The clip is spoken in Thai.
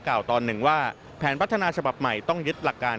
ตอนหนึ่งว่าแผนพัฒนาฉบับใหม่ต้องยึดหลักการ